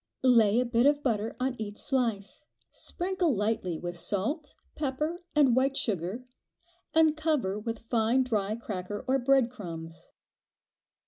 Lay a bit of butter on each slice, sprinkle lightly with salt, pepper, and white sugar, and cover with fine dry cracker, or bread crumbs.